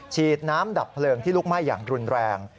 ฉีดน้ำดับเพลิงที่ลุกไหม้อย่างรุนแรง